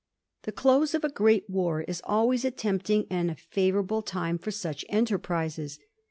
The close of a great war is always a tempting and a favourable time for such enterprises.